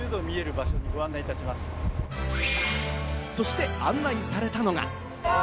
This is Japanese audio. そして案内されたのが。